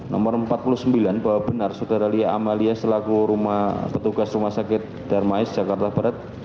nomor empat puluh sembilan bahwa benar saudara lia amalia selaku petugas rumah sakit darmais jakarta barat